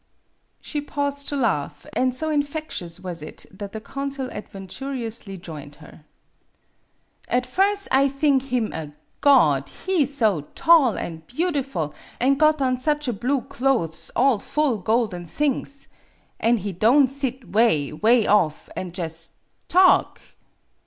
" She paused to laugh, and so infectious was it that the consul adventurously joined her. "At firs' I thing him a god, he so tall an' beautiful, an' got on such a blue clothes all full golden things. An' he don' sit 'way, 'way off, an' jus' talk